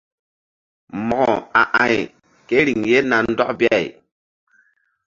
Mo̧ko a a̧y ke riŋ ye na ndɔk bi-ay.